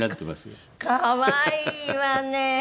可愛いわね。